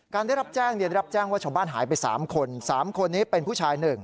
การได้รับแจ้งเนี่ยได้รับแจ้งว่าชาวบ้านหายไปสามคนสามคนนี้เป็นผู้ชายหนึ่ง